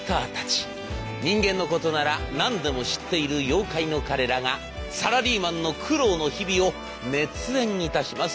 人間のことなら何でも知っている妖怪の彼らがサラリーマンの苦労の日々を熱演いたします。